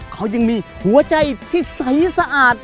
เขายังมีหัวใจที่ใสสะอาด